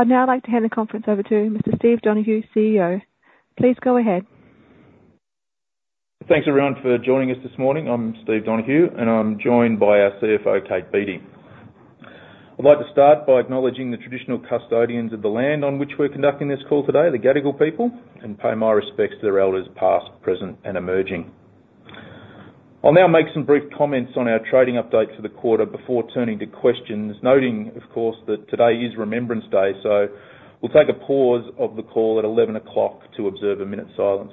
I'd now like to hand the conference over to Mr. Steve Donohue, CEO. Please go ahead. Thanks, everyone, for joining us this morning. I'm Steve Donohue, and I'm joined by our CFO, Kate Beattie. I'd like to start by acknowledging the traditional custodians of the land on which we're conducting this call today, the Gadigal people, and pay my respects to their elders past, present, and emerging. I'll now make some brief comments on our trading update for the quarter before turning to questions, noting, of course, that today is Remembrance Day, so we'll take a pause of the call at 11:00 A.M. to observe a minute's silence.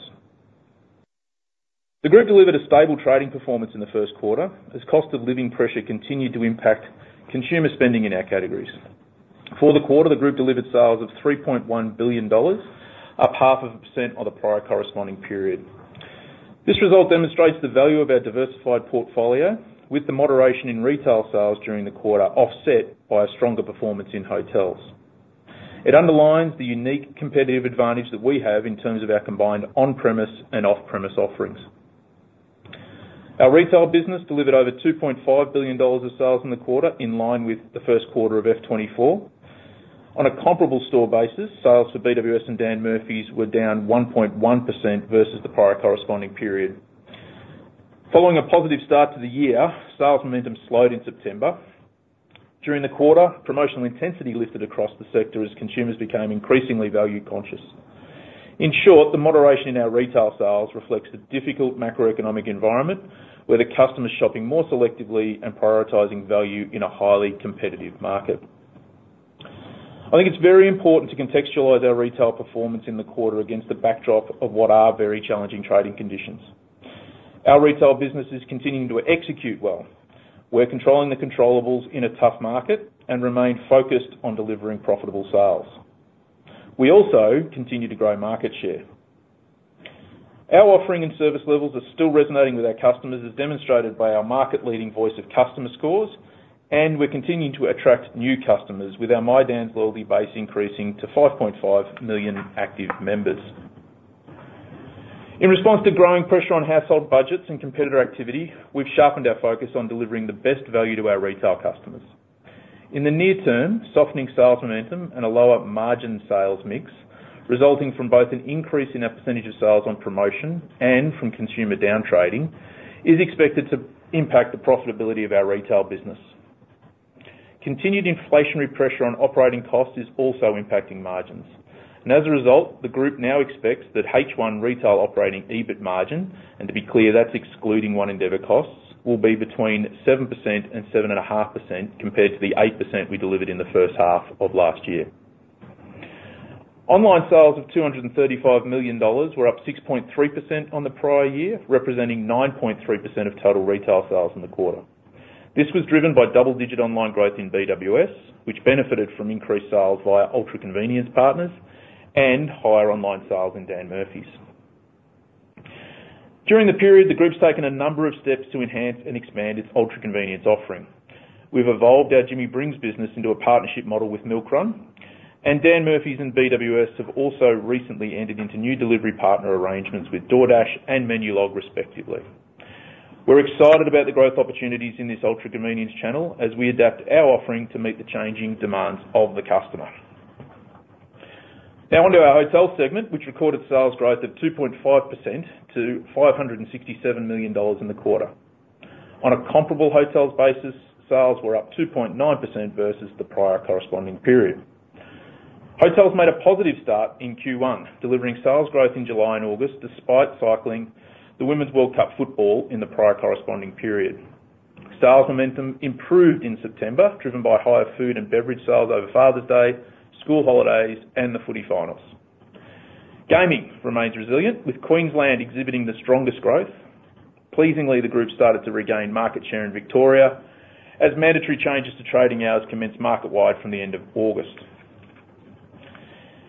The group delivered a stable trading performance in the first quarter, as cost of living pressure continued to impact consumer spending in our categories. For the quarter, the group delivered sales of AUD 3.1 billion, up 0.5% on the prior corresponding period. This result demonstrates the value of our diversified portfolio, with the moderation in retail sales during the quarter offset by a stronger performance in hotels. It underlines the unique competitive advantage that we have in terms of our combined on-premise and off-premise offerings. Our retail business delivered over 2.5 billion dollars of sales in the quarter, in line with the first quarter of F2024. On a comparable store basis, sales for BWS and Dan Murphy's were down 1.1% versus the prior corresponding period. Following a positive start to the year, sales momentum slowed in September. During the quarter, promotional intensity lifted across the sector as consumers became increasingly value-conscious. In short, the moderation in our retail sales reflects the difficult macroeconomic environment, where the customer's shopping more selectively and prioritizing value in a highly competitive market. I think it's very important to contextualize our retail performance in the quarter against the backdrop of what are very challenging trading conditions. Our retail business is continuing to execute well. We're controlling the controllable in a tough market and remain focused on delivering profitable sales. We also continue to grow market share. Our offering and service levels are still resonating with our customers, as demonstrated by our market-leading voice of customer scores, and we're continuing to attract new customers, with our My Dan's loyalty base increasing to 5.5 million active members. In response to growing pressure on household budgets and competitor activity, we've sharpened our focus on delivering the best value to our retail customers. In the near term, softening sales momentum and a lower margin sales mix, resulting from both an increase in our percentage of sales on promotion and from consumer down trading, is expected to impact the profitability of our retail business. Continued inflationary pressure on operating costs is also impacting margins. As a result, the group now expects that H1 retail operating EBIT margin, and to be clear, that's excluding One Endeavour costs, will be between 7% and 7.5% compared to the 8% we delivered in the first half of last year. Online sales of 235 million dollars were up 6.3% on the prior year, representing 9.3% of total retail sales in the quarter. This was driven by double-digit online growth in BWS, which benefited from increased sales via ultra-convenience partners and higher online sales in Dan Murphy's. During the period, the group's taken a number of steps to enhance and expand its ultra-convenience offering. We've evolved our Jimmy Brings business into a partnership model with MILKRUN, and Dan Murphy's and BWS have also recently entered into new delivery partner arrangements with DoorDash and Menulog, respectively. We're excited about the growth opportunities in this ultra-convenience channel as we adapt our offering to meet the changing demands of the customer. Now onto our hotel segment, which recorded sales growth of 2.5% to 567 million dollars in the quarter. On a comparable hotels basis, sales were up 2.9% versus the prior corresponding period. Hotels made a positive start in Q1, delivering sales growth in July and August despite cycling the Women's World Cup football in the prior corresponding period. Sales momentum improved in September, driven by higher food and beverage sales over Father's Day, school holidays, and the footy finals. Gaming remains resilient, with Queensland exhibiting the strongest growth. Pleasingly, the group started to regain market share in Victoria as mandatory changes to trading hours commence market-wide from the end of August.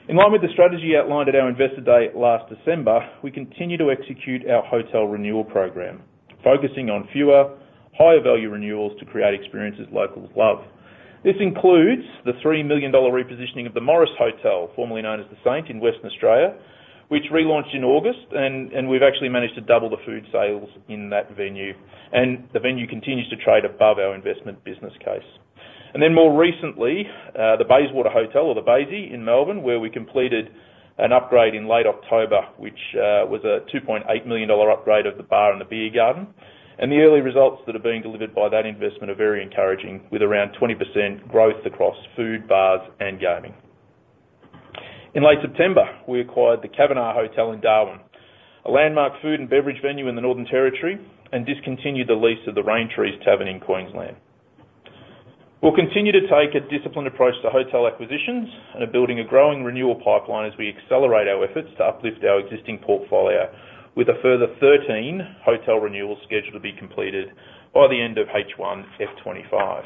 In line with the strategy outlined at our Investor Day last December, we continue to execute our hotel renewal program, focusing on fewer, higher-value renewals to create experiences locals love. This includes the 3 million dollar repositioning of the Morris Hotel, formerly known as The Saint in Western Australia, which relaunched in August, and we've actually managed to double the food sales in that venue, and the venue continues to trade above our investment business case, and then more recently, the Bayswater Hotel, or the Baysie, in Melbourne, where we completed an upgrade in late October, which was a 2.8 million dollar upgrade of the bar and the beer garden. The early results that are being delivered by that investment are very encouraging, with around 20% growth across food, bars, and gaming. In late September, we acquired the Cavenagh Hotel in Darwin, a landmark food and beverage venue in the Northern Territory, and discontinued the lease of the Raintrees Tavern in Queensland. We'll continue to take a disciplined approach to hotel acquisitions and are building a growing renewal pipeline as we accelerate our efforts to uplift our existing portfolio, with a further 13 hotel renewals scheduled to be completed by the end of H1 F2025.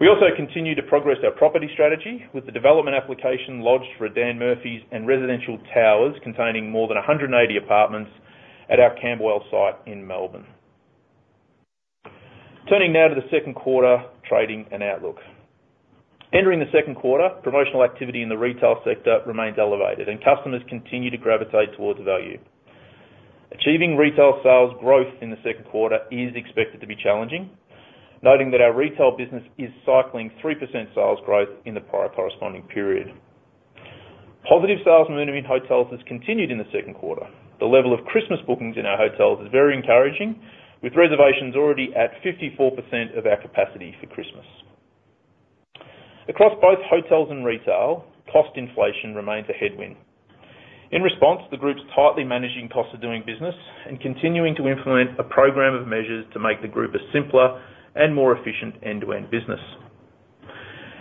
We also continue to progress our property strategy with the development application lodged for Dan Murphy's and residential towers containing more than 180 apartments at our Camberwell site in Melbourne. Turning now to the second quarter trading and outlook. Entering the second quarter, promotional activity in the retail sector remains elevated, and customers continue to gravitate towards value. Achieving retail sales growth in the second quarter is expected to be challenging, noting that our retail business is cycling 3% sales growth in the prior corresponding period. Positive sales momentum in hotels has continued in the second quarter. The level of Christmas bookings in our hotels is very encouraging, with reservations already at 54% of our capacity for Christmas. Across both hotels and retail, cost inflation remains a headwind. In response, the group is tightly managing costs of doing business and continuing to implement a program of measures to make the group a simpler and more efficient end-to-end business.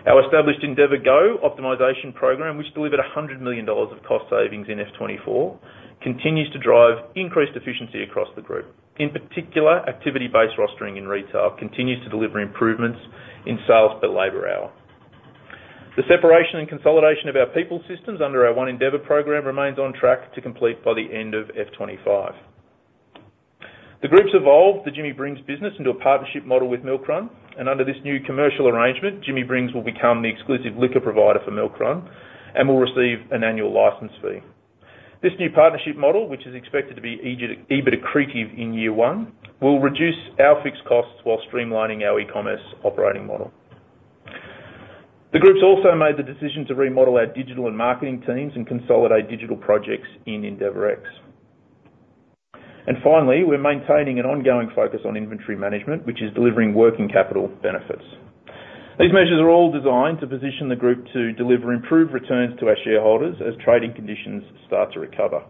Our established Endeavour Go optimization program, which delivered 100 million dollars of cost savings in F2024, continues to drive increased efficiency across the group. In particular, activity-based rostering in retail continues to deliver improvements in sales per labor hour. The separation and consolidation of our people systems under our One Endeavour program remains on track to complete by the end of F2025. The group has evolved the Jimmy Brings business into a partnership model with MILKRUN, and under this new commercial arrangement, Jimmy Brings will become the exclusive liquor provider for MILKRUN and will receive an annual license fee. This new partnership model, which is expected to be EBIT-accretive in year one, will reduce our fixed costs while streamlining our e-commerce operating model. The group has also made the decision to remodel our digital and marketing teams and consolidate digital projects in endeavourX. Finally, we're maintaining an ongoing focus on inventory management, which is delivering working capital benefits. These measures are all designed to position the group to deliver improved returns to our shareholders as trading conditions start to recover.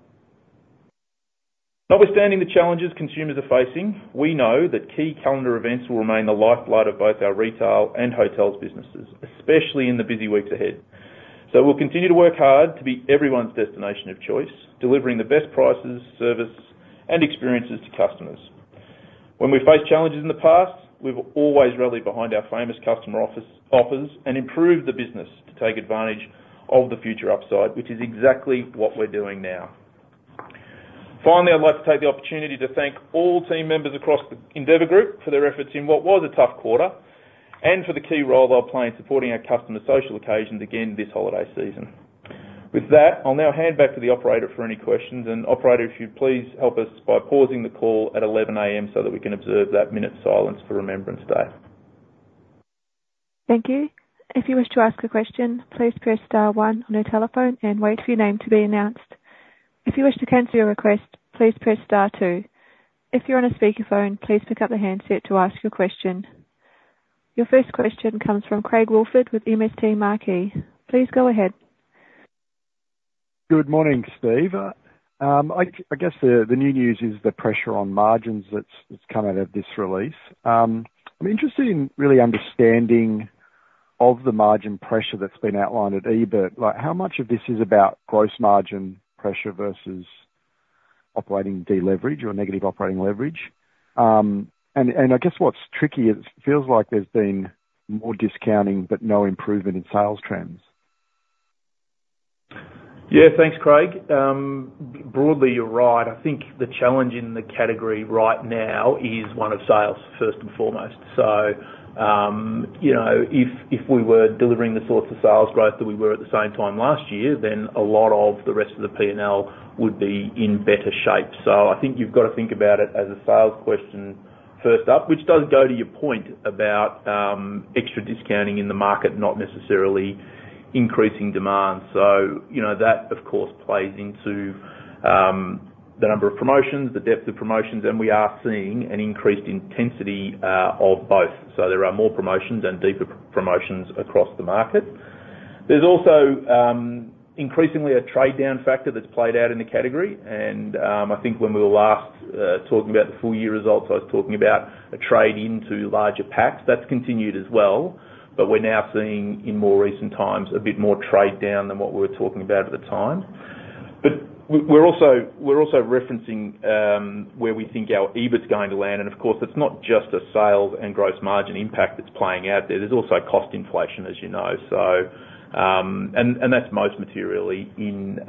Notwithstanding the challenges consumers are facing, we know that key calendar events will remain the lifeblood of both our retail and hotels businesses, especially in the busy weeks ahead. So we'll continue to work hard to be everyone's destination of choice, delivering the best prices, service, and experiences to customers. When we've faced challenges in the past, we've always rallied behind our famous customer offers and improved the business to take advantage of the future upside, which is exactly what we're doing now. Finally, I'd like to take the opportunity to thank all team members across the Endeavour Group for their efforts in what was a tough quarter and for the key role they'll play in supporting our customer social occasions again this holiday season. With that, I'll now hand back to the operator for any questions, and operator, if you'd please help us by pausing the call at 11:00 A.M. so that we can observe that minute's silence for Remembrance Day. Thank you. If you wish to ask a question, please press star one on your telephone and wait for your name to be announced. If you wish to cancel your request, please press star two. If you're on a speakerphone, please pick up the handset to ask your question. Your first question comes from Craig Woolford with MST Marquee. Please go ahead. Good morning, Steve. I guess the new news is the pressure on margins that's come out of this release. I'm interested in really understanding of the margin pressure that's been outlined at EBIT, how much of this is about gross margin pressure versus operating deleverage or negative operating leverage. And I guess what's tricky, it feels like there's been more discounting but no improvement in sales trends. Yeah, thanks, Craig. Broadly, you're right. I think the challenge in the category right now is one of sales, first and foremost. So if we were delivering the sorts of sales growth that we were at the same time last year, then a lot of the rest of the P&L would be in better shape. So I think you've got to think about it as a sales question first up, which does go to your point about extra discounting in the market, not necessarily increasing demand. So that, of course, plays into the number of promotions, the depth of promotions, and we are seeing an increased intensity of both. So there are more promotions and deeper promotions across the market. There's also increasingly a trade-down factor that's played out in the category. And I think when we were last talking about the full-year results, I was talking about a trade into larger packs. That's continued as well, but we're now seeing in more recent times a bit more trade-down than what we were talking about at the time. But we're also referencing where we think our EBIT's going to land. And of course, it's not just a sales and gross margin impact that's playing out there. There's also cost inflation, as you know. And that's most materially in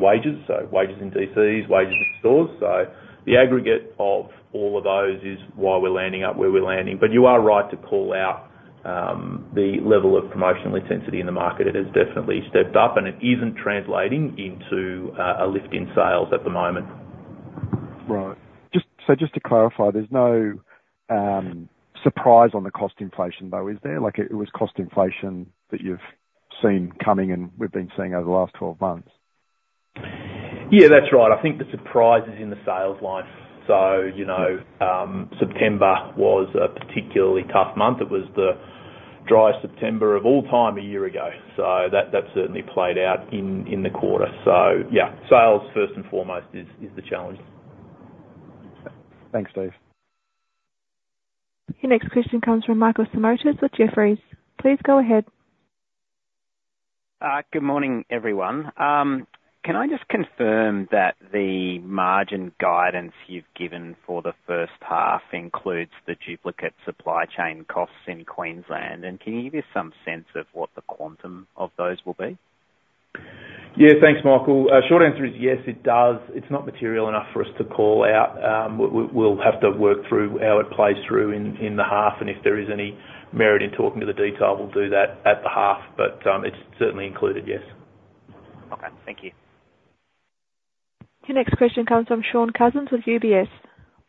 wages, so wages in DCs, wages in stores. So the aggregate of all of those is why we're landing up where we're landing. But you are right to call out the level of promotional intensity in the market. It has definitely stepped up, and it isn't translating into a lift in sales at the moment. Right. So just to clarify, there's no surprise on the cost inflation, though, is there? It was cost inflation that you've seen coming and we've been seeing over the last 12 months. Yeah, that's right. I think the surprise is in the sales line. So September was a particularly tough month. It was the driest September of all time a year ago. So that certainly played out in the quarter. So yeah, sales first and foremost is the challenge. Thanks, Steve. Your next question comes from Michael Simotas with Jefferies. Please go ahead. Good morning, everyone. Can I just confirm that the margin guidance you've given for the first half includes the duplicate supply chain costs in Queensland? And can you give us some sense of what the quantum of those will be? Yeah, thanks, Michael. Short answer is yes, it does. It's not material enough for us to call out. We'll have to work through how it plays through in the half. And if there is any merit in talking to the detail, we'll do that at the half. But it's certainly included, yes. Okay, thank you. Your next question comes from Shaun Cousins with UBS.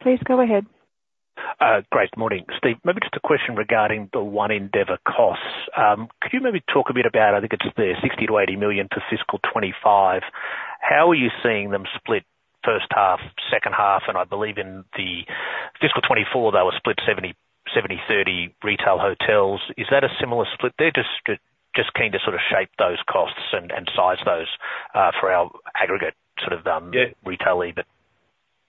Please go ahead. Great. Morning, Steve. Maybe just a question regarding the One Endeavour costs. Could you maybe talk a bit about, I think it's the 60 million-80 million for fiscal 2025? How are you seeing them split first half, second half? And I believe in the fiscal 2024, they were split 70/30 retail hotels. Is that a similar split? They're just keen to sort of shape those costs and size those for our aggregate sort of retail EBIT.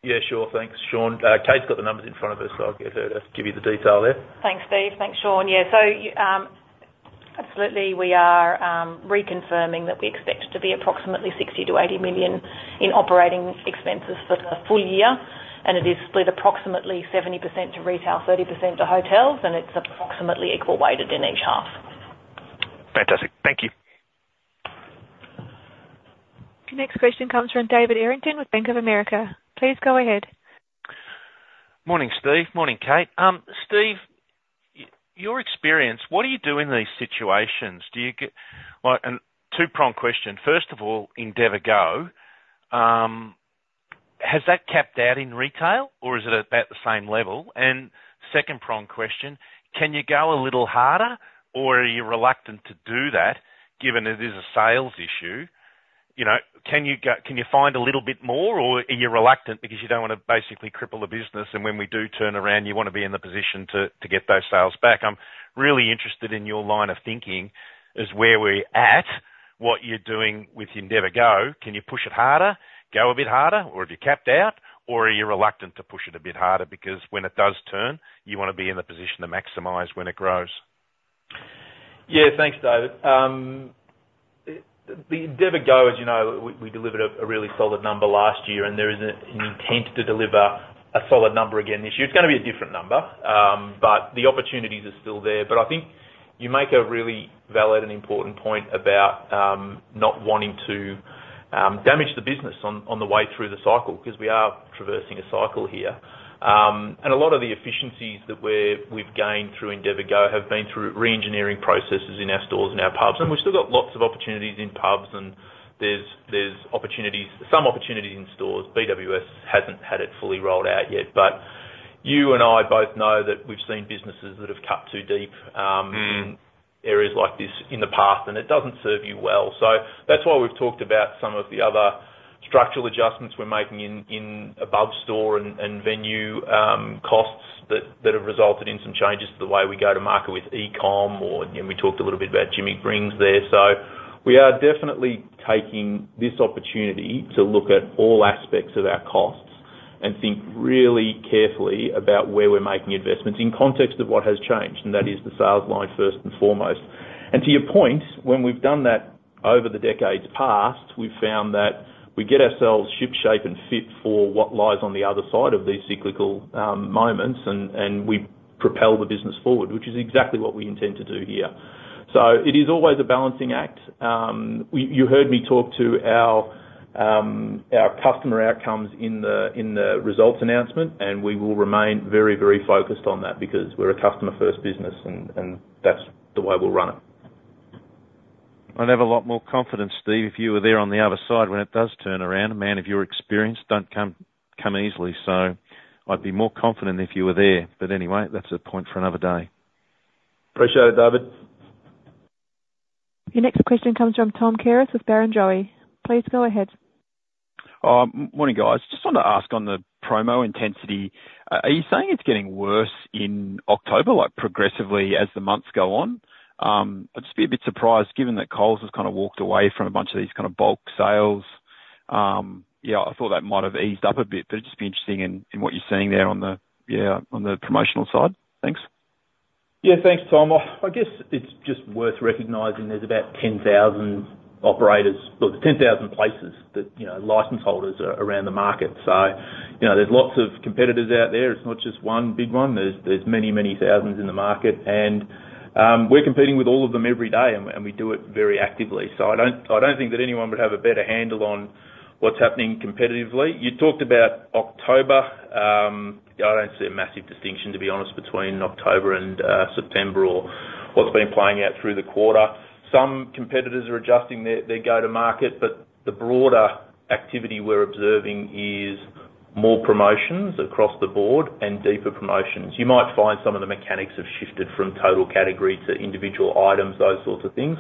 Yeah, sure. Thanks, Shaun. Kate's got the numbers in front of her, so I'll give her to give you the detail there. Thanks, Steve. Thanks, Shaun. Yeah, so absolutely, we are reconfirming that we expect to be approximately 60 million-80 million in operating expenses for the full year, and it is split approximately 70% to retail, 30% to hotels, and it's approximately equal weighted in each half. Fantastic. Thank you. Your next question comes from David Errington with Bank of America. Please go ahead. Morning, Steve. Morning, Kate. Steve, your experience, what are you doing in these situations? Well, two-pronged question. First of all, Endeavour Go, has that capped out in retail, or is it about the same level? And second-pronged question, can you go a little harder, or are you reluctant to do that given it is a sales issue? Can you find a little bit more, or are you reluctant because you don't want to basically cripple the business? And when we do turn around, you want to be in the position to get those sales back? I'm really interested in your line of thinking as where we're at, what you're doing with Endeavour Go. Can you push it harder, go a bit harder, or have you capped out, or are you reluctant to push it a bit harder because when it does turn, you want to be in the position to maximize when it grows? Yeah, thanks, David. The Endeavour Go, as you know, we delivered a really solid number last year, and there is an intent to deliver a solid number again this year. It's going to be a different number, but the opportunities are still there. But I think you make a really valid and important point about not wanting to damage the business on the way through the cycle because we are traversing a cycle here. And a lot of the efficiencies that we've gained through Endeavour Go have been through re-engineering processes in our stores and our pubs. And we've still got lots of opportunities in pubs, and there's some opportunities in stores. BWS hasn't had it fully rolled out yet. But you and I both know that we've seen businesses that have cut too deep in areas like this in the past, and it doesn't serve you well. So that's why we've talked about some of the other structural adjustments we're making in above-store and venue costs that have resulted in some changes to the way we go to market with e-comm. And we talked a little bit about Jimmy Brings there. So we are definitely taking this opportunity to look at all aspects of our costs and think really carefully about where we're making investments in context of what has changed, and that is the sales line first and foremost. And to your point, when we've done that over the decades past, we've found that we get ourselves shipshape and fit for what lies on the other side of these cyclical moments, and we propel the business forward, which is exactly what we intend to do here. So it is always a balancing act. You heard me talk to our customer outcomes in the results announcement, and we will remain very, very focused on that because we're a customer-first business, and that's the way we'll run it. I'd have a lot more confidence, Steve, if you were there on the other side when it does turn around. Man, if you're experienced, don't come easily. So I'd be more confident if you were there. But anyway, that's a point for another day. Appreciate it, David. Your next question comes from Tom Kierath with Barrenjoey. Please go ahead. Morning, guys. Just wanted to ask on the promo intensity. Are you saying it's getting worse in October, progressively as the months go on? I'd just be a bit surprised given that Coles has kind of walked away from a bunch of these kind of bulk sales. Yeah, I thought that might have eased up a bit, but it'd just be interesting in what you're seeing there on the promotional side. Thanks. Yeah, thanks, Tom. I guess it's just worth recognizing there's about 10,000 operators or 10,000 places that license holders are around the market. So there's lots of competitors out there. It's not just one big one. There's many, many thousands in the market. And we're competing with all of them every day, and we do it very actively. So I don't think that anyone would have a better handle on what's happening competitively. You talked about October. I don't see a massive distinction, to be honest, between October and September or what's been playing out through the quarter. Some competitors are adjusting their go-to-market, but the broader activity we're observing is more promotions across the board and deeper promotions. You might find some of the mechanics have shifted from total category to individual items, those sorts of things.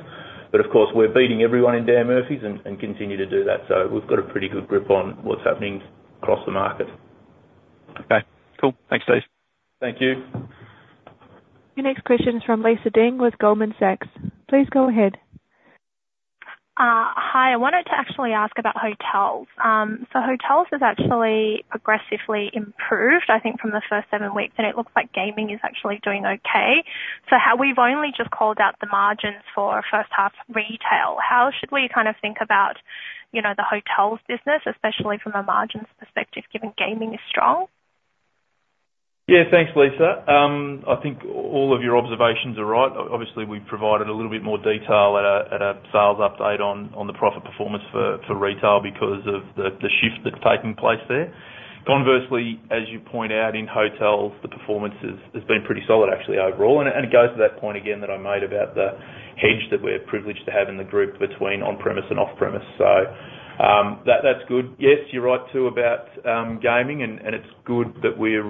But of course, we're beating everyone in Dan Murphy's and continue to do that. So we've got a pretty good grip on what's happening across the market. Okay. Cool. Thanks, Steve. Thank you. Your next question is from Lisa Deng with Goldman Sachs. Please go ahead. Hi. I wanted to actually ask about hotels. So hotels have actually progressively improved, I think, from the first seven weeks. And it looks like gaming is actually doing okay. So we've only just called out the margins for first-half retail. How should we kind of think about the hotels business, especially from a margins perspective, given gaming is strong? Yeah, thanks, Lisa. I think all of your observations are right. Obviously, we've provided a little bit more detail at a sales update on the profit performance for retail because of the shift that's taking place there. Conversely, as you point out, in hotels, the performance has been pretty solid, actually, overall, and it goes to that point again that I made about the hedge that we're privileged to have in the group between on-premise and off-premise. So that's good. Yes, you're right too about gaming. And it's good that we're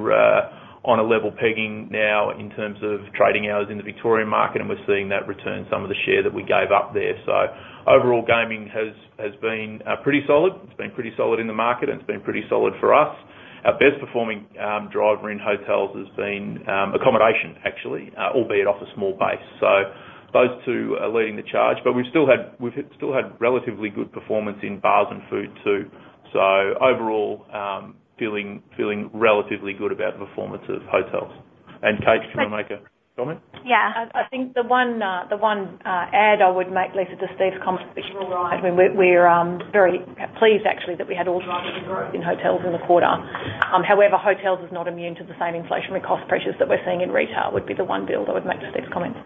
on a level pegging now in terms of trading hours in the Victorian market, and we're seeing that return some of the share that we gave up there. So overall, gaming has been pretty solid. It's been pretty solid in the market, and it's been pretty solid for us. Our best-performing driver in hotels has been accommodation, actually, albeit off a small base. So those two are leading the charge. But we've still had relatively good performance in bars and food too. So overall, feeling relatively good about the performance of hotels. And Kate, do you want to make a comment? Yeah. I think the one add I would make related to Steve's comment, which is all right. I mean, we're very pleased, actually, that we had all-time growth in hotels in the quarter. However, hotels are not immune to the same inflationary cost pressures that we're seeing in retail, would be the one build I would make to Steve's comment.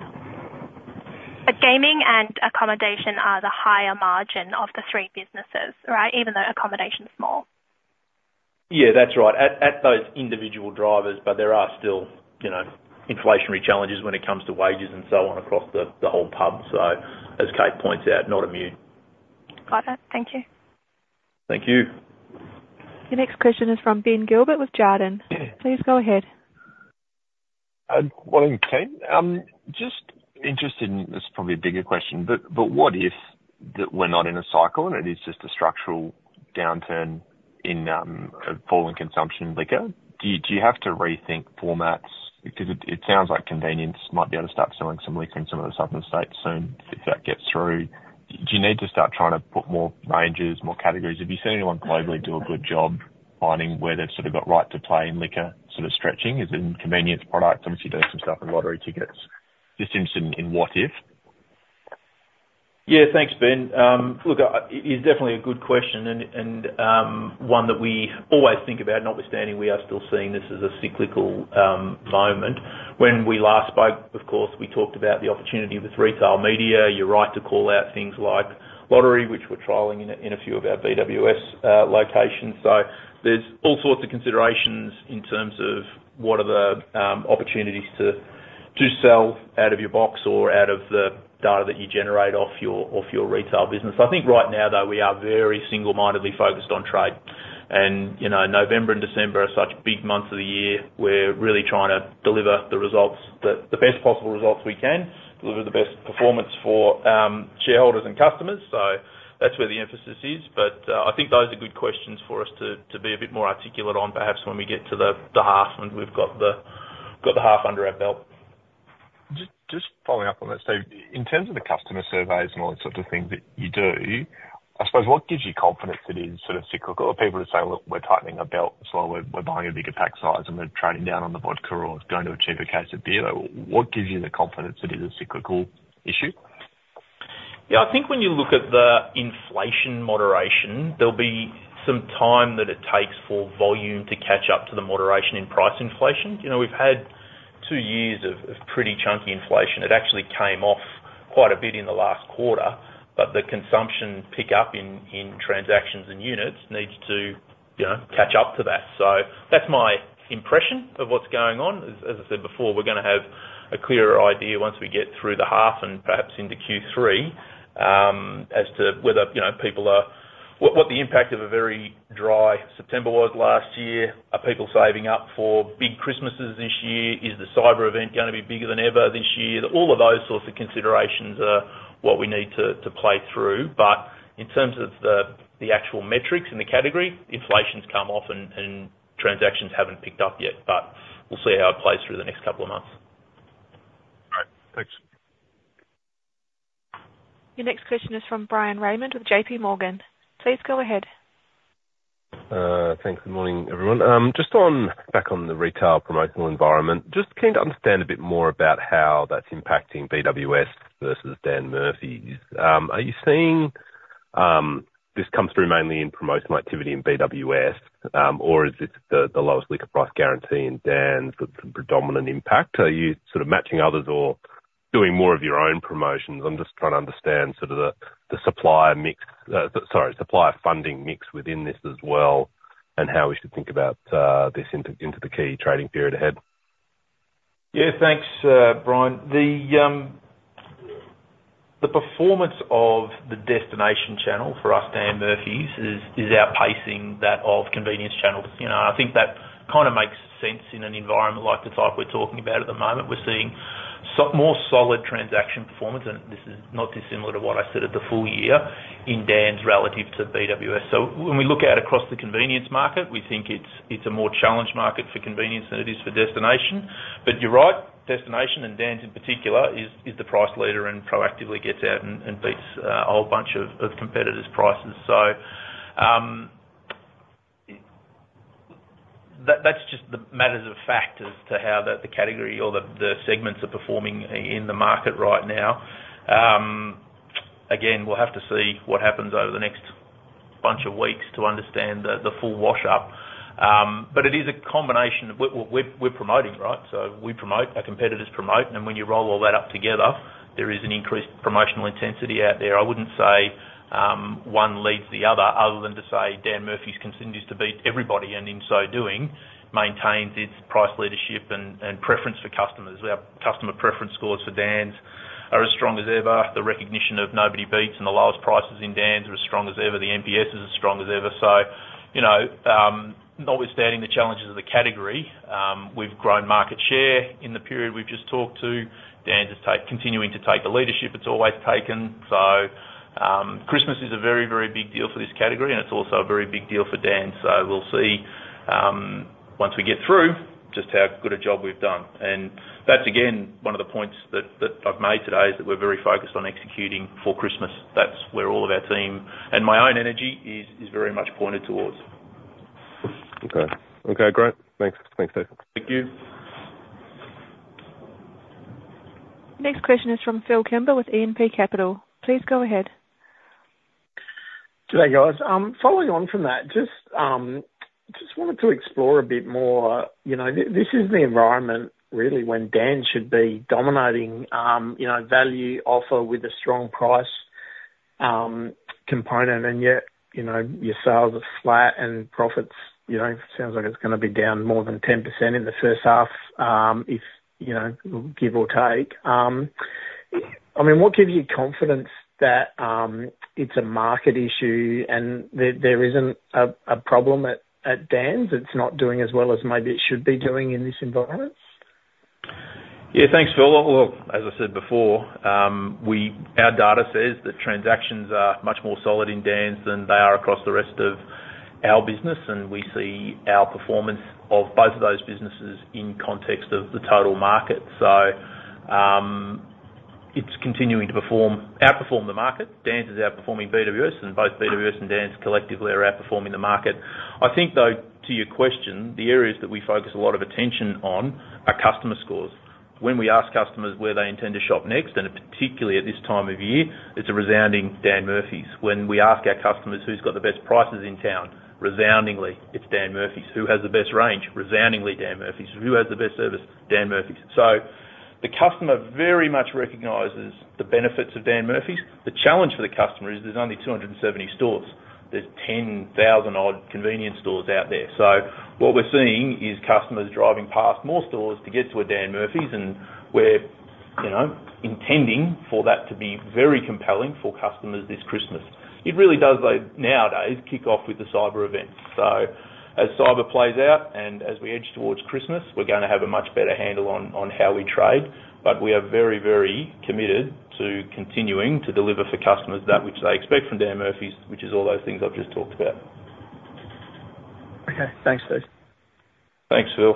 But gaming and accommodation are the higher margin of the three businesses, right, even though accommodation's small? Yeah, that's right. At those individual drivers, but there are still inflationary challenges when it comes to wages and so on across the whole pub. So as Kate points out, not immune. Got it. Thank you. Thank you. Your next question is from Ben Gilbert with Jarden. Please go ahead. Morning, Kate. Just interested in this. This is probably a bigger question, but what if we're not in a cycle and it is just a structural downturn in falling consumption liquor? Do you have to rethink formats? Because it sounds like convenience might be able to start selling some liquor in some of the southern states soon if that gets through. Do you need to start trying to put more ranges, more categories? Have you seen anyone globally do a good job finding where they've sort of got right to play in liquor sort of stretching? Is it in convenience products? Obviously, there's some stuff in lottery tickets. Just interested in what if. Yeah, thanks, Ben. Look, it's definitely a good question and one that we always think about. Notwithstanding, we are still seeing this as a cyclical moment. When we last spoke, of course, we talked about the opportunity with retail media. You're right to call out things like lottery, which we're trialing in a few of our BWS locations. So there's all sorts of considerations in terms of what are the opportunities to sell out of your box or out of the data that you generate off your retail business. I think right now, though, we are very single-mindedly focused on trade. And November and December are such big months of the year. We're really trying to deliver the best possible results we can, deliver the best performance for shareholders and customers. So that's where the emphasis is. But I think those are good questions for us to be a bit more articulate on, perhaps when we get to the half and we've got the half under our belt. Just following up on that. So in terms of the customer surveys and all these sorts of things that you do, I suppose what gives you confidence it is sort of cyclical? Or people who say, "Look, we're tightening our belts," or, "We're buying a bigger pack size, and we're trading down on the vodka or going to a cheaper case of beer." What gives you the confidence it is a cyclical issue? Yeah, I think when you look at the inflation moderation, there'll be some time that it takes for volume to catch up to the moderation in price inflation. We've had two years of pretty chunky inflation. It actually came off quite a bit in the last quarter, but the consumption pickup in transactions and units needs to catch up to that. So that's my impression of what's going on. As I said before, we're going to have a clearer idea once we get through the half and perhaps into Q3 as to whether people are what the impact of a very dry September was last year. Are people saving up for big Christmases this year? Is the cyber event going to be bigger than ever this year? All of those sorts of considerations are what we need to play through. But in terms of the actual metrics in the category, inflation's come off, and transactions haven't picked up yet. But we'll see how it plays through the next couple of months. All right. Thanks. Your next question is from Bryan Raymond with JPMorgan. Please go ahead. Thanks. Good morning, everyone. Just back on the retail promotional environment, just keen to understand a bit more about how that's impacting BWS versus Dan Murphy's. Are you seeing this comes through mainly in promotional activity in BWS, or is it the lowest liquor price guarantee in Dan's the predominant impact? Are you sort of matching others or doing more of your own promotions? I'm just trying to understand sort of the supplier mix sorry, supplier funding mix within this as well and how we should think about this into the key trading period ahead. Yeah, thanks, Bryan. The performance of the destination channel for us, Dan Murphy's, is outpacing that of convenience channels. I think that kind of makes sense in an environment like the type we're talking about at the moment. We're seeing more solid transaction performance, and this is not dissimilar to what I said at the full year in Dan's relative to BWS. So when we look at it across the convenience market, we think it's a more challenged market for convenience than it is for destination. But you're right. Destination, and Dan's in particular, is the price leader and proactively gets out and beats a whole bunch of competitors' prices. So that's just the matter of fact as to how the category or the segments are performing in the market right now. Again, we'll have to see what happens over the next bunch of weeks to understand the full wash-up. But it is a combination of what we're promoting, right? So we promote, our competitors promote, and when you roll all that up together, there is an increased promotional intensity out there. I wouldn't say one leads the other than to say Dan Murphy's continues to beat everybody and in so doing maintains its price leadership and preference for customers. Our customer preference scores for Dan's are as strong as ever. The recognition of nobody beats and the lowest prices in Dan's are as strong as ever. The NPS is as strong as ever. So notwithstanding the challenges of the category, we've grown market share in the period we've just talked to. Dan's continuing to take the leadership it's always taken. So Christmas is a very, very big deal for this category, and it's also a very big deal for Dan's. So we'll see once we get through just how good a job we've done. And that's, again, one of the points that I've made today is that we're very focused on executing for Christmas. That's where all of our team and my own energy is very much pointed towards. Okay. Okay. Great. Thanks. Thanks, Steve. Thank you. Next question is from Phil Kimber of E&P Capital. Please go ahead. Today, guys. Following on from that, just wanted to explore a bit more. This is the environment, really, when Dan should be dominating value offer with a strong price component, and yet your sales are flat and profits sounds like it's going to be down more than 10% in the first half, give or take. I mean, what gives you confidence that it's a market issue and there isn't a problem at Dan's that's not doing as well as maybe it should be doing in this environment? Yeah, thanks, Phil. Look, as I said before, our data says that transactions are much more solid in Dan's than they are across the rest of our business, and we see our performance of both of those businesses in context of the total market. So it's continuing to outperform the market. Dan's is outperforming BWS, and both BWS and Dan's collectively are outperforming the market. I think, though, to your question, the areas that we focus a lot of attention on are customer scores. When we ask customers where they intend to shop next, and particularly at this time of year, it's a resounding Dan Murphy's. When we ask our customers who's got the best prices in town, resoundingly, it's Dan Murphy's. Who has the best range? Resoundingly, Dan Murphy's. Who has the best service? Dan Murphy's. So the customer very much recognizes the benefits of Dan Murphy's. The challenge for the customer is there's only 270 stores. There's 10,000-odd convenience stores out there. So what we're seeing is customers driving past more stores to get to a Dan Murphy's, and we're intending for that to be very compelling for customers this Christmas. It really does, though, nowadays kick off with the cyber event. So as cyber plays out and as we edge towards Christmas, we're going to have a much better handle on how we trade. But we are very, very committed to continuing to deliver for customers that which they expect from Dan Murphy's, which is all those things I've just talked about. Okay. Thanks, Steve. Thanks, Phil.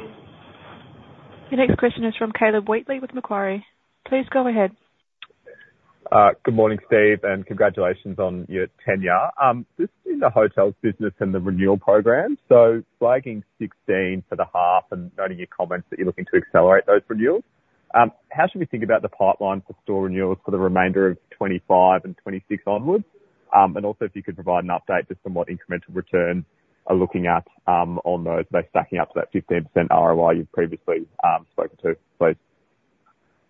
Your next question is from Caleb Wheatley with Macquarie. Please go ahead. Good morning, Steve, and congratulations on your tenure. This is in the hotels business and the renewal program. So flagging 16 for the half and noting your comments that you're looking to accelerate those renewals. How should we think about the pipeline for store renewals for the remainder of 2025 and 2026 onwards? And also, if you could provide an update just on what incremental returns are looking at on those stacking up to that 15% ROI you've previously spoken to, please.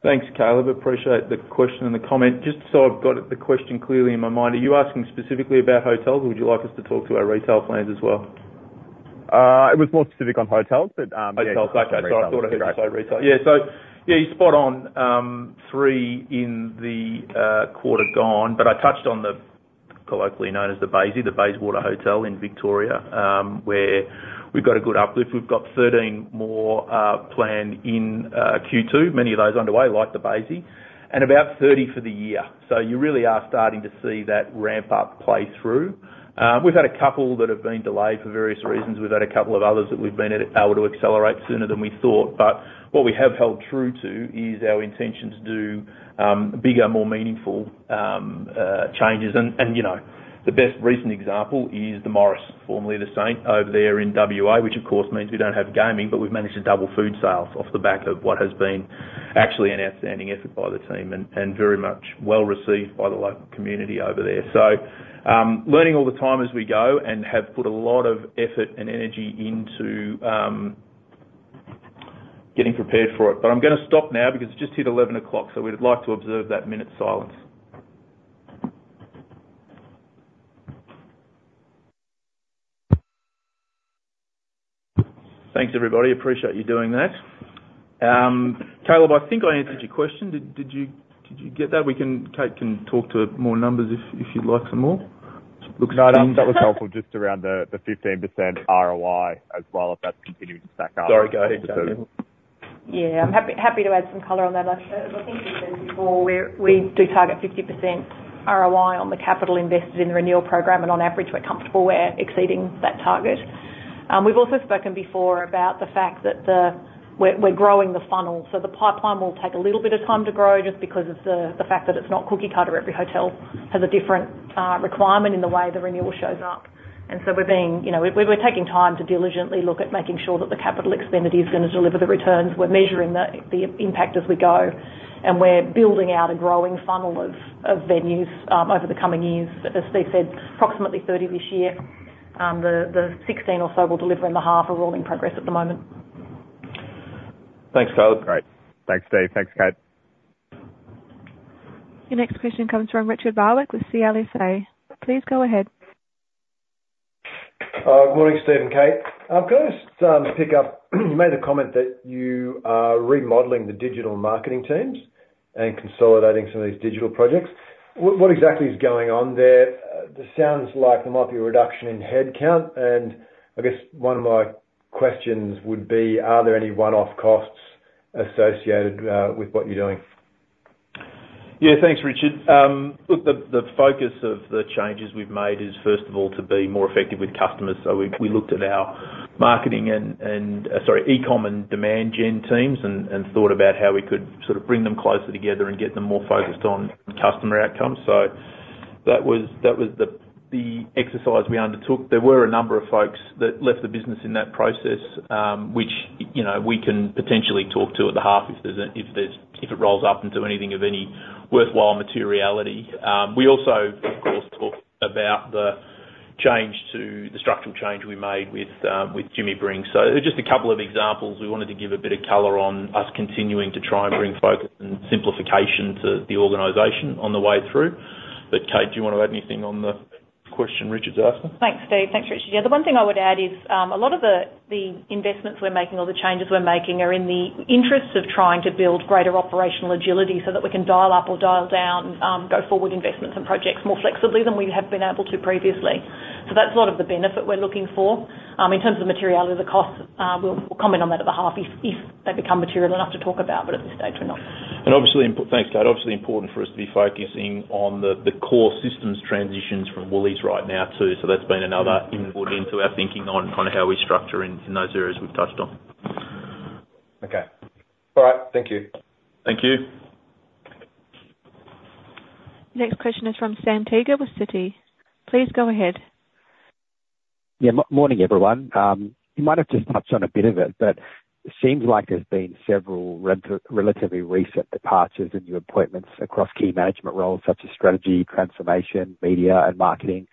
Thanks, Caleb. Appreciate the question and the comment. Just so I've got the question clearly in my mind, are you asking specifically about hotels, or would you like us to talk to our retail plans as well? It was more specific on hotels, but. Hotels. Okay. So I thought I heard you say retail. Yeah. So yeah, you're spot on. Three in the quarter gone, but I touched on the colloquially known as the Baysie, the Bayswater Hotel in Victoria, where we've got a good uplift. We've got 13 more planned in Q2, many of those underway, like the Baysie, and about 30 for the year. So you really are starting to see that ramp up play through. We've had a couple that have been delayed for various reasons. We've had a couple of others that we've been able to accelerate sooner than we thought. But what we have held true to is our intention to do bigger, more meaningful changes. The best recent example is the Morris Hotel, formerly The Saint, over there in WA, which, of course, means we don't have gaming, but we've managed to double food sales off the back of what has been actually an outstanding effort by the team and very much well received by the local community over there. We are learning all the time as we go and have put a lot of effort and energy into getting prepared for it. I am going to stop now because it has just hit 11:00 A.M., so we would like to observe that minute silence. Thanks, everybody. I appreciate you doing that. Caleb, I think I answered your question. Did you get that? Kate can talk to more numbers if you would like some more. Looks fine. No, that was helpful. Just around the 15% ROI as well, if that's continuing to stack up. Sorry, go ahead, Kate. Yeah. I'm happy to add some color on that. I think you said before, we do target 50% ROI on the capital invested in the renewal program, and on average, we're comfortable with exceeding that target. We've also spoken before about the fact that we're growing the funnel. So the pipeline will take a little bit of time to grow just because of the fact that it's not cookie cutter. Every hotel has a different requirement in the way the renewal shows up. And so we're taking time to diligently look at making sure that the capital expenditure is going to deliver the returns. We're measuring the impact as we go, and we're building out a growing funnel of venues over the coming years. As Steve said, approximately 30 this year. The 16 or so will deliver in the half. We're rolling progress at the moment. Thanks, Caleb. Great. Thanks, Steve. Thanks, Kate. Your next question comes from Richard Barwick with CLSA. Please go ahead. Good morning, Steve and Kate. Can I just pick up? You made a comment that you are remodeling the digital marketing teams and consolidating some of these digital projects. What exactly is going on there? It sounds like there might be a reduction in headcount. And I guess one of my questions would be, are there any one-off costs associated with what you're doing? Yeah, thanks, Richard. Look, the focus of the changes we've made is, first of all, to be more effective with customers. So we looked at our marketing and, sorry, e-comm and demand gen teams and thought about how we could sort of bring them closer together and get them more focused on customer outcomes. So that was the exercise we undertook. There were a number of folks that left the business in that process, which we can potentially talk to at the half if it rolls up into anything of any worthwhile materiality. We also, of course, talked about the structural change we made with Jimmy Brings. So just a couple of examples. We wanted to give a bit of color on us continuing to try and bring focus and simplification to the organization on the way through. But Kate, do you want to add anything on the question Richard's asking? Thanks, Steve. Thanks, Richard. Yeah, the one thing I would add is a lot of the investments we're making or the changes we're making are in the interests of trying to build greater operational agility so that we can dial up or dial down go forward investments and projects more flexibly than we have been able to previously. So that's a lot of the benefit we're looking for. In terms of the materiality, the costs, we'll comment on that at the half if they become material enough to talk about, but at this stage, we're not. And thanks, Kate. Obviously, important for us to be focusing on the core systems transitions from Woolies right now too. So that's been another input into our thinking on kind of how we structure in those areas we've touched on. Okay. All right. Thank you. Thank you. Your next question is from Sam Teeger with Citi. Please go ahead. Yeah. Morning, everyone. You might have just touched on a bit of it, but it seems like there's been several relatively recent departures and new appointments across key management roles such as strategy, transformation, media, and marketing.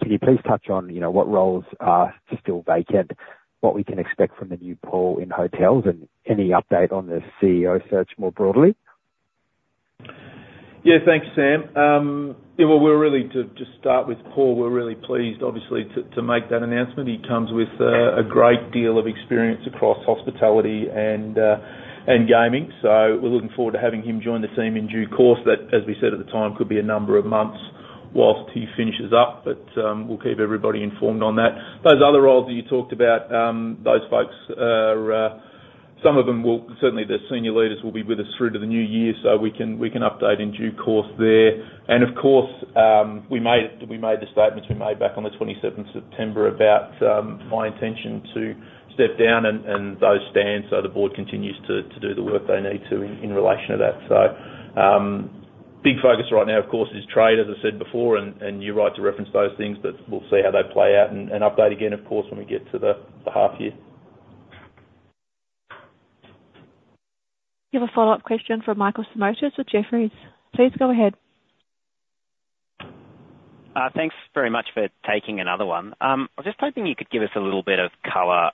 Can you please touch on what roles are still vacant, what we can expect from the new Paul in hotels, and any update on the CEO search more broadly? Yeah, thanks, Sam. Well, we're really glad to just start with Paul. We're really pleased, obviously, to make that announcement. He comes with a great deal of experience across hospitality and gaming. So we're looking forward to having him join the team in due course. That, as we said at the time, could be a number of months while he finishes up, but we'll keep everybody informed on that. Those other roles that you talked about, those folks, some of them, certainly the senior leaders will be with us through to the new year, so we can update in due course there. And of course, we made the statements we made back on the 27th of September about my intention to step down and that stands so the board continues to do the work they need to in relation to that. So big focus right now, of course, is trade, as I said before, and you're right to reference those things, but we'll see how they play out and update again, of course, when we get to the half year. You have a follow-up question from Michael Simotas with Jefferies. Please go ahead. Thanks very much for taking another one. I was just hoping you could give us a little bit of color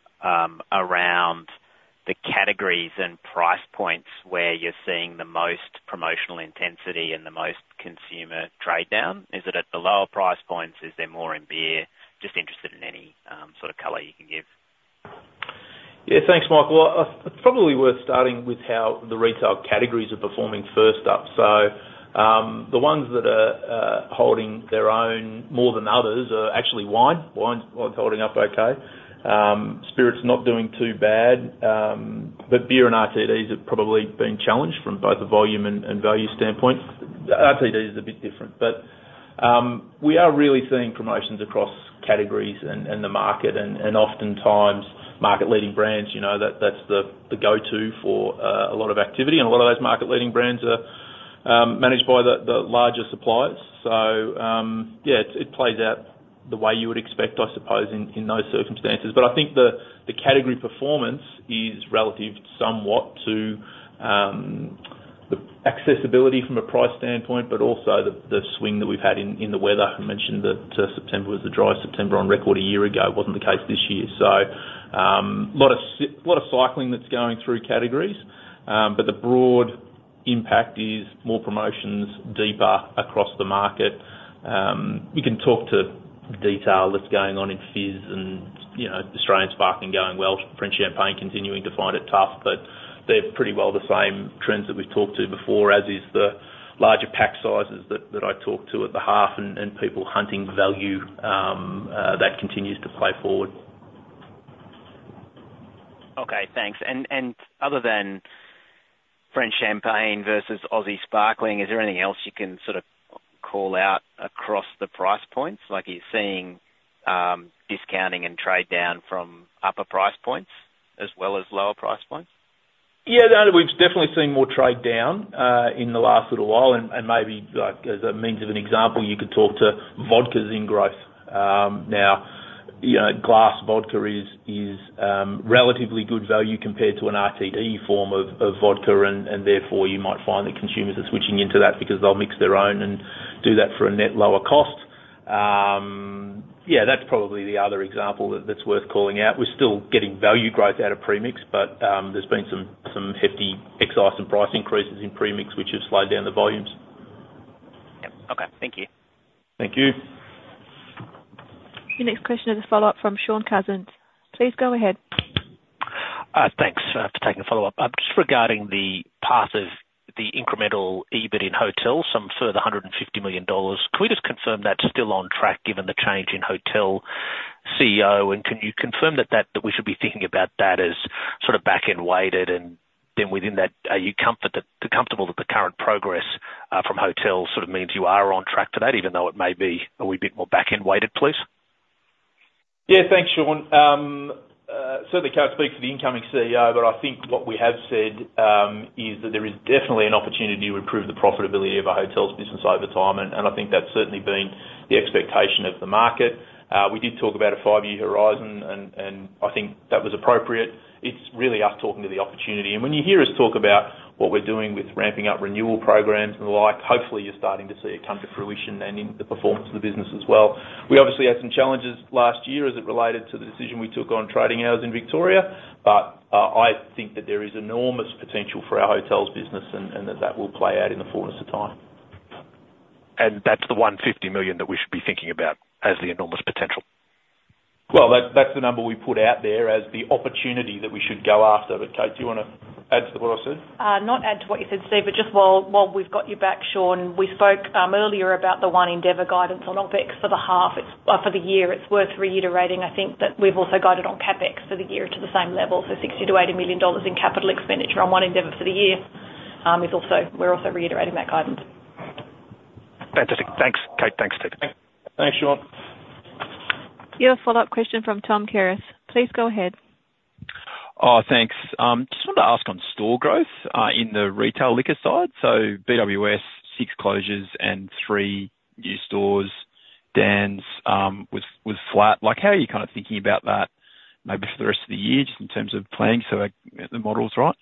around the categories and price points where you're seeing the most promotional intensity and the most consumer trade down. Is it at the lower price points? Is there more in beer? Just interested in any sort of color you can give. Yeah, thanks, Michael. It's probably worth starting with how the retail categories are performing first up. So the ones that are holding their own more than others are actually wine. Wine's holding up okay. Spirits not doing too bad. But beer and RTDs have probably been challenged from both a volume and value standpoint. RTD is a bit different, but we are really seeing promotions across categories and the market, and oftentimes market-leading brands, that's the go-to for a lot of activity. And a lot of those market-leading brands are managed by the larger suppliers. So yeah, it plays out the way you would expect, I suppose, in those circumstances. But I think the category performance is relative somewhat to the accessibility from a price standpoint, but also the swing that we've had in the weather. I mentioned that September was the driest September on record a year ago. It wasn't the case this year, so a lot of cycling that's going through categories, but the broad impact is more promotions deeper across the market. We can talk to detail that's going on in fizz and Australian sparkling going well. French champagne continuing to find it tough, but they're pretty well the same trends that we've talked to before, as are the larger pack sizes that I talked to at the half and people hunting value that continues to play forward. Okay. Thanks. And other than French champagne versus Aussie sparkling, is there anything else you can sort of call out across the price points? You're seeing discounting and trade down from upper price points as well as lower price points? Yeah. We've definitely seen more trade down in the last little while. And maybe as a means of an example, you could talk to vodka's in growth. Now, glass vodka is relatively good value compared to an RTD form of vodka, and therefore you might find that consumers are switching into that because they'll mix their own and do that for a net lower cost. Yeah, that's probably the other example that's worth calling out. We're still getting value growth out of premix, but there's been some hefty excise and price increases in premix, which have slowed down the volumes. Yep. Okay. Thank you. Thank you. Your next question is a follow-up from Shaun Cousins. Please go ahead. Thanks for taking the follow-up. Just regarding the path of the incremental EBIT in hotels, some further 150 million dollars. Can we just confirm that's still on track given the change in hotel CEO? And can you confirm that we should be thinking about that as sort of back-end weighted? And then within that, are you comfortable that the current progress from hotels sort of means you are on track for that, even though it may be a wee bit more back-end weighted, please? Yeah. Thanks, Shaun. Certainly, can't speak for the incoming CEO, but I think what we have said is that there is definitely an opportunity to improve the profitability of a hotel's business over time. And I think that's certainly been the expectation of the market. We did talk about a five-year horizon, and I think that was appropriate. It's really us talking to the opportunity. And when you hear us talk about what we're doing with ramping up renewal programs and the like, hopefully, you're starting to see it come to fruition and in the performance of the business as well. We obviously had some challenges last year as it related to the decision we took on trading hours in Victoria, but I think that there is enormous potential for our hotel's business and that that will play out in the fullness of time. That's the 150 million that we should be thinking about as the enormous potential? That's the number we put out there as the opportunity that we should go after. Kate, do you want to add to what I said? Not add to what you said, Steve, but just while we've got you back, Shaun, we spoke earlier about the One Endeavour guidance on OPEX for the half. For the year, it's worth reiterating. I think that we've also guided on CAPEX for the year to the same level. So 60 million-80 million dollars in capital expenditure on One Endeavour for the year. We're also reiterating that guidance. Fantastic. Thanks, Kate. Thanks, Steve. Thanks, Sean. You have a follow-up question from Tom Kierath. Please go ahead. Oh, thanks. Just wanted to ask on store growth in the retail liquor side. So BWS, six closures and three new stores. Dan's was flat. How are you kind of thinking about that maybe for the rest of the year just in terms of planning so the model's right,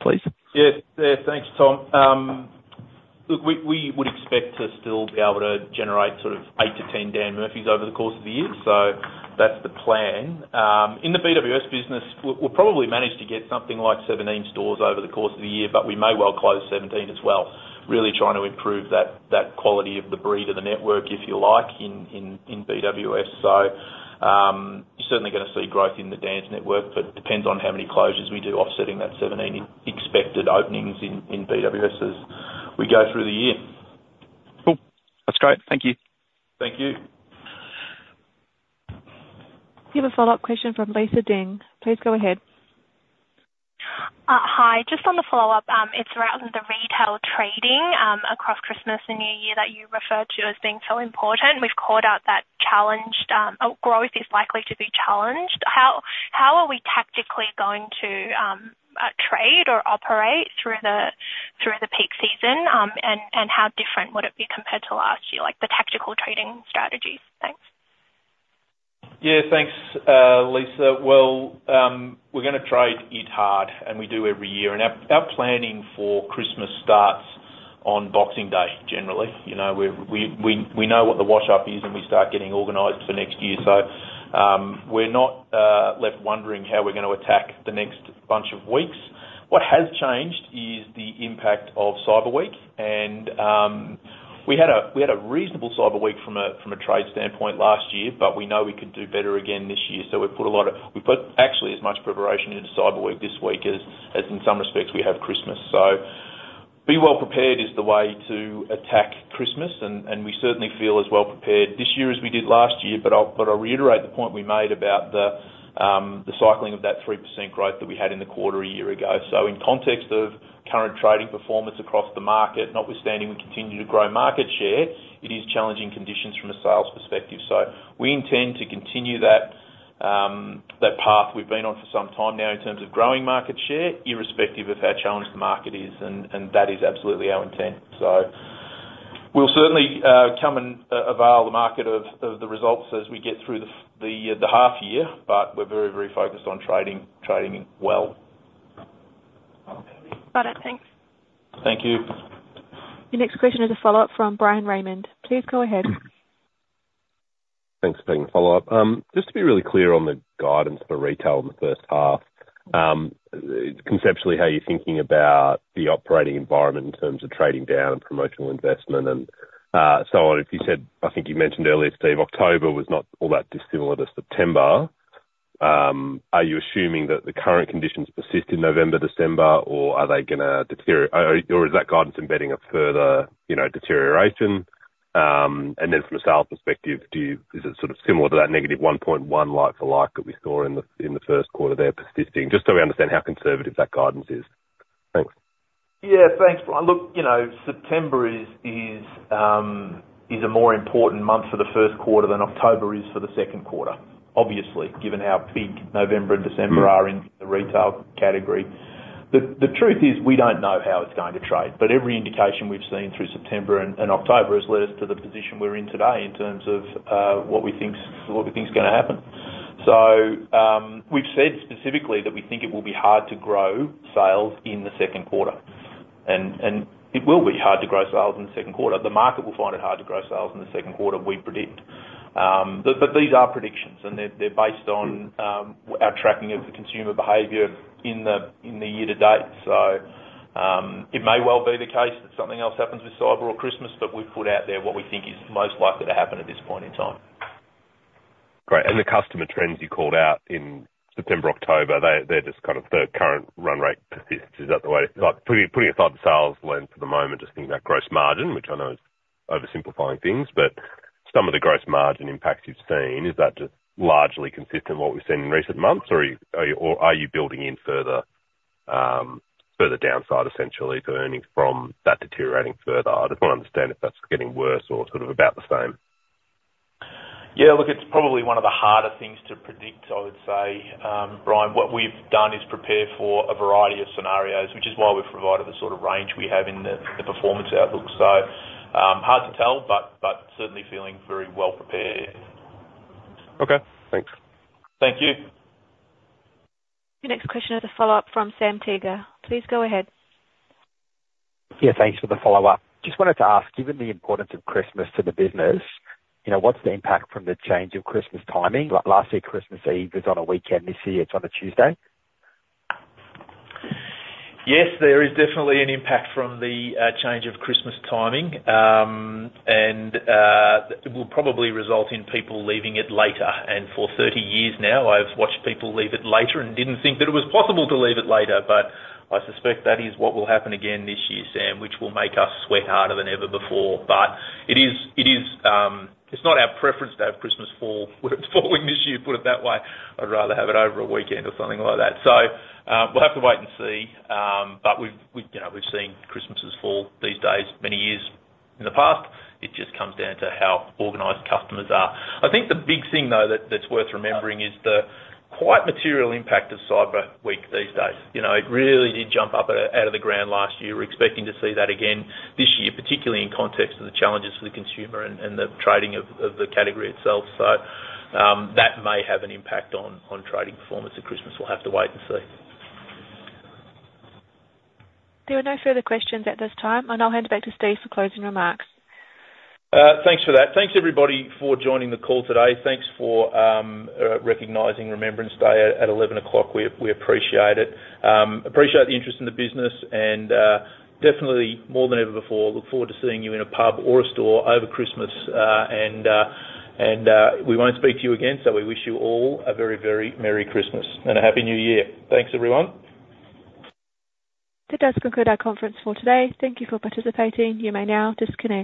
please? Yeah. Yeah. Thanks, Tom. Look, we would expect to still be able to generate sort of eight to 10 Dan Murphy's over the course of the year. So that's the plan. In the BWS business, we'll probably manage to get something like 17 stores over the course of the year, but we may well close 17 as well, really trying to improve that quality of the breed of the network, if you like, in BWS. So you're certainly going to see growth in the Dan's network, but it depends on how many closures we do, offsetting that 17 expected openings in BWS as we go through the year. Cool. That's great. Thank you. Thank you. You have a follow-up question from Lisa Deng. Please go ahead. Hi. Just on the follow-up, it's around the retail trading across Christmas and New Year that you referred to as being so important. We've called out that growth is likely to be challenged. How are we tactically going to trade or operate through the peak season, and how different would it be compared to last year? The tactical trading strategies. Thanks. Yeah. Thanks, Lisa. Well, we're going to trade it hard, and we do every year. And our planning for Christmas starts on Boxing Day, generally. We know what the wash-up is, and we start getting organized for next year. So we're not left wondering how we're going to attack the next bunch of weeks. What has changed is the impact of Cyber Week. And we had a reasonable Cyber Week from a trade standpoint last year, but we know we could do better again this year. So we've put actually as much preparation into Cyber Week this week as in some respects we have Christmas. So be well prepared is the way to attack Christmas, and we certainly feel as well prepared this year as we did last year. But I'll reiterate the point we made about the cycling of that 3% growth that we had in the quarter a year ago. So in context of current trading performance across the market, notwithstanding we continue to grow market share, it is challenging conditions from a sales perspective. So we intend to continue that path we've been on for some time now in terms of growing market share, irrespective of how challenged the market is. And that is absolutely our intent. So we'll certainly come and avail the market of the results as we get through the half year, but we're very, very focused on trading well. Got it. Thanks. Thank you. Your next question is a follow-up from Bryan Raymond. Please go ahead. Thanks for taking the follow-up. Just to be really clear on the guidance for retail in the first half, conceptually, how are you thinking about the operating environment in terms of trading down and promotional investment and so on? I think you mentioned earlier, Steve, October was not all that dissimilar to September. Are you assuming that the current conditions persist in November, December, or are they going to deteriorate, or is that guidance embedding a further deterioration? And then from a sales perspective, is it sort of similar to that -1.1% like-for-like that we saw in the first quarter there persisting, just so we understand how conservative that guidance is? Thanks. Yeah. Thanks. Look, September is a more important month for the first quarter than October is for the second quarter, obviously, given how big November and December are in the retail category. The truth is we don't know how it's going to trade, but every indication we've seen through September and October has led us to the position we're in today in terms of what we think's going to happen. So we've said specifically that we think it will be hard to grow sales in the second quarter, and it will be hard to grow sales in the second quarter. The market will find it hard to grow sales in the second quarter, we predict, but these are predictions, and they're based on our tracking of the consumer behavior in the year to date. So it may well be the case that something else happens with Cyber or Christmas, but we've put out there what we think is most likely to happen at this point in time. Great. And the customer trends you called out in September, October, they're just kind of the current run rate persists. Is that the way? Putting it through the sales lens for the moment, just thinking about gross margin, which I know is oversimplifying things, but some of the gross margin impacts you've seen, is that just largely consistent with what we've seen in recent months, or are you building in further downside, essentially, to earnings from that deteriorating further? I just want to understand if that's getting worse or sort of about the same. Yeah. Look, it's probably one of the harder things to predict, I would say. Brian, what we've done is prepare for a variety of scenarios, which is why we've provided the sort of range we have in the performance outlook. So hard to tell, but certainly feeling very well prepared. Okay. Thanks. Thank you. Your next question is a follow-up from Sam Teeger. Please go ahead. Yeah. Thanks for the follow-up. Just wanted to ask, given the importance of Christmas to the business, what's the impact from the change of Christmas timing? Last year, Christmas Eve was on a weekend. This year, it's on a Tuesday. Yes, there is definitely an impact from the change of Christmas timing, and it will probably result in people leaving it later. And for 30 years now, I've watched people leave it later and didn't think that it was possible to leave it later. But I suspect that is what will happen again this year, Sam, which will make us sweat harder than ever before. But it's not our preference to have Christmas fall. We're falling this year, put it that way. I'd rather have it over a weekend or something like that. So we'll have to wait and see. But we've seen Christmases fall these days many years in the past. It just comes down to how organized customers are. I think the big thing, though, that's worth remembering is the quite material impact of Cyber Week these days. It really did jump up out of the ground last year. We're expecting to see that again this year, particularly in context of the challenges for the consumer and the trading of the category itself. So that may have an impact on trading performance at Christmas. We'll have to wait and see. There are no further questions at this time, and I'll hand it back to Steve for closing remarks. Thanks for that. Thanks, everybody, for joining the call today. Thanks for recognizing Remembrance Day at 11:00 A.M. We appreciate it. Appreciate the interest in the business and definitely more than ever before. Look forward to seeing you in a pub or a store over Christmas. And we won't speak to you again. So we wish you all a very, very Merry Christmas and a Happy New Year. Thanks, everyone. That does conclude our conference for today. Thank you for participating. You may now disconnect.